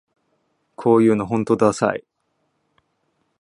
こういうのほんとダサい